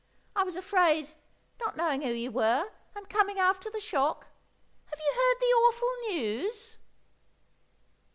I was afraid, not knowing who you were, and coming after the shock. Have you heard the awful news?"